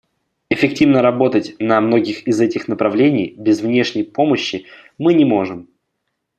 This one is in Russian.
Эффективно работать на многих из этих направлений без внешней помощи мы не можем.